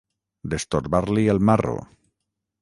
Destorbar-li el marro.